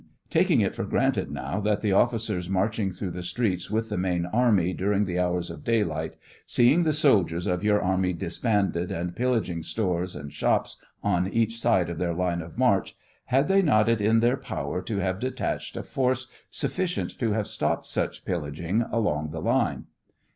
Taking it for granted now that the officers march ing through the streets with the main army during the hours of daylight, seeing the soldiers of your army disbanded and pillaging stores and shops on each side of their line of march, had they not it in their power to have detached a force sufficient to have stopped such pillaging along the line